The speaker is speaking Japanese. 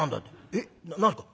「えっ何すか？」。